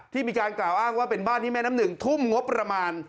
มีการกล่าวอ้างว่าเป็นบ้านที่แม่น้ำหนึ่งทุ่มงบประมาณ